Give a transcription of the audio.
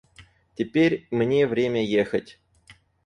Теперь мне время ехать.